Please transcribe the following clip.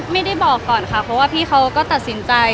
ไม่ได้บอกก่อนค่ะเพราะว่าพี่เขาก็ตัดสินใจ